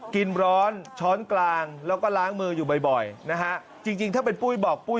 กินร้อนช้อนกลางแล้วก็ล้างมืออยู่บ่อยนะฮะจริงจริงถ้าเป็นปุ้ยบอกปุ้ย